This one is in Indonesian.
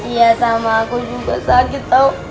iya sama aku juga sakit tau